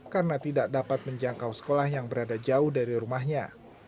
karena tidak dapat menjangkau sekolah yang berada jauh dari rumahnya